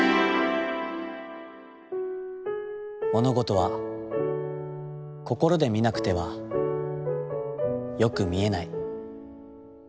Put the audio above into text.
「ものごとは心で見なくては、よく見えない。